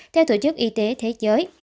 theo thủ chức y tế thế giới